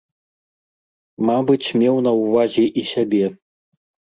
Мабыць, меў на ўвазе і сябе.